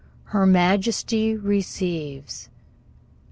Her Majesty receives.